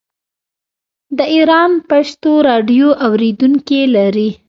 د ایران پښتو راډیو اوریدونکي لري.